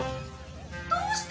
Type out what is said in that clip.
どうして？